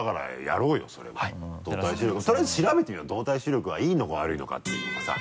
とりあえず調べてみよう動体視力はいいのか悪いのかっていうのがさ。